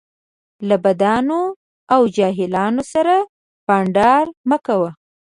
له بدانو او جاهلو سره بنډار مه کوه